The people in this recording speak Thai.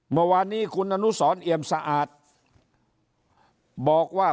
เมื่อวานนี้คุณอนุสรเอี่ยมสะอาดบอกว่า